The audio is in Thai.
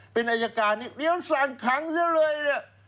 เป็นอัยการเนี่ยเดี๋ยวสั่งขังกันเลย